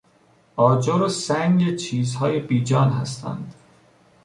آجر و سنگ چیزهای بی جان هستند.